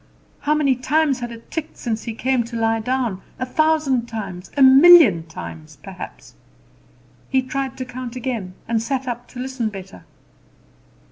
How many times had it ticked since he came to lie down? A thousand times, a million times, perhaps. He tried to count again, and sat up to listen better.